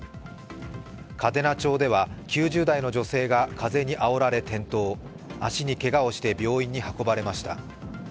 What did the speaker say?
嘉手納町では９０代の女性が風にあおられ転倒、足にけがをして病院に運ばれました。